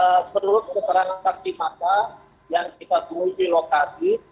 ya awalnya seluruh keterangan saksi masa yang kita tunjukkan di lokasi